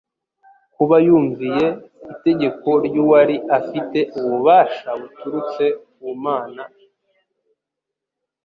kuba yumviye itegeko ry’Uwari afite ububasha buturutse ku Mana